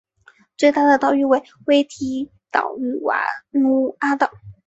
最大的岛屿为维提岛与瓦努阿岛。